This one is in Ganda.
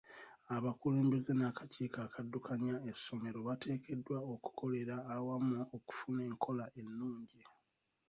Abakulembeze n'akakiiko okaddukanya essomero bateekeddwa okukolera awamu okufuna enkola ennungi.